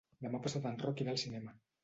Demà passat en Roc irà al cinema.